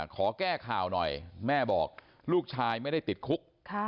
ขอแก้ข่าวหน่อยแม่บอกลูกชายไม่ได้ติดคุก